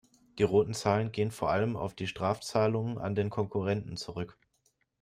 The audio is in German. Die roten Zahlen gehen vor allem auf die Strafzahlungen an den Konkurrenten zurück.